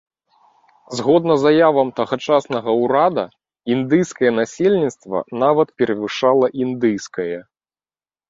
Згодна заявам тагачаснага ўрада, індыйскае насельніцтва нават перавышала індыйскае.